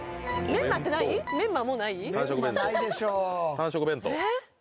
３色弁当。